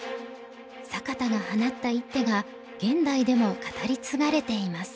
坂田が放った一手が現代でも語り継がれています。